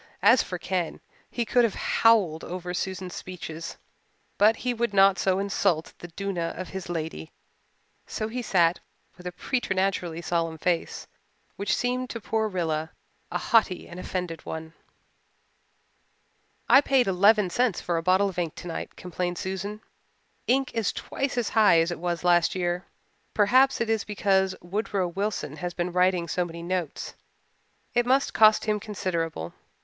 As for Ken, he could have howled over Susan's speeches, but he would not so insult the duenna of his lady, so he sat with a preternaturally solemn face which seemed to poor Rilla a haughty and offended one. "I paid eleven cents for a bottle of ink tonight," complained Susan. "Ink is twice as high as it was last year. Perhaps it is because Woodrow Wilson has been writing so many notes. It must cost him considerable.